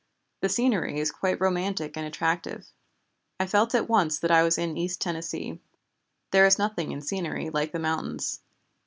The scenery is quite romantic and attractive. I felt at once that I was in East Tennessee. There is nothing in scenery like the mountains.